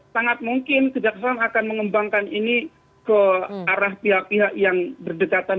sangat mungkin kejaksaan akan mengembangkan ini ke arah pihak pihak yang berdekatan